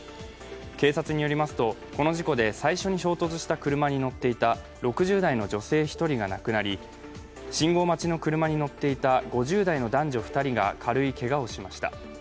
警察によりますと、この事故で最初に衝突した車に乗っていた６０代の女性１人が亡くなり信号待ちの車に乗っていた５０代の男女２人が軽いけがをしました。